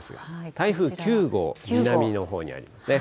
台風９号、南のほうにありますね。